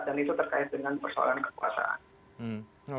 dan itu terkait dengan persoalan kekuasaan